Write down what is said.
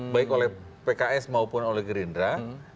baik oleh pks maupun oleh gerindra